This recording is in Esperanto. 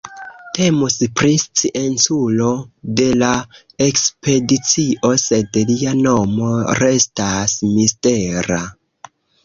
Temus pri scienculo de la ekspedicio sed lia nomo restas mistera.